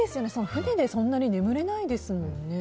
船でそんなに眠れないですもんね。